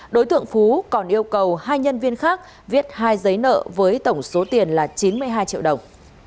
đối tượng phú còn yêu cầu hai nhân viên khác viết hai giấy nợ với tổng số tiền là chín mươi hai triệu đồng